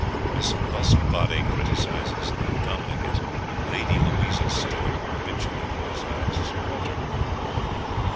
Miss Buskbody criticises the Dominic as Lady Louisa Stuart habitually criticised Sir Walter.